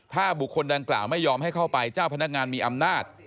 ถ้าบุคคลดังกล่าวไม่ยอมให้เข้าไปเจ้าพนักงานมีอำนาจ